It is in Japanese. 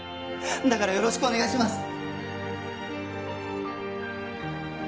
だからよろしくお願いします。